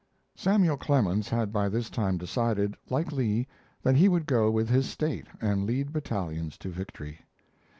] Samuel Clemens had by this time decided, like Lee, that he would go with his State and lead battalions to victory.